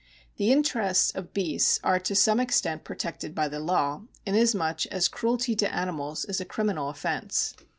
The interests of beasts are to some extent protected by the law, inasmucli as cruelty to animals is a criminal offence.